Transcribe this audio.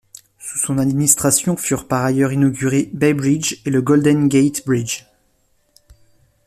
Sous son administration furent par ailleurs inaugurés Bay Bridge et le Golden Gate Bridge.